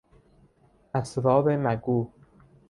اسرار مگو